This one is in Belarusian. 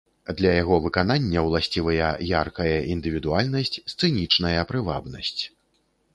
Для яго выканання ўласцівыя яркая індывідуальнасць, сцэнічная прывабнасць.